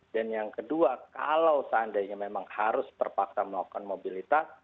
dan yang kedua kalau seandainya memang harus berpaksa melakukan mobilitas